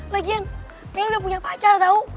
lagian kayaknya udah punya pacar tau